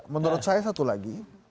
menurut saya satu lagi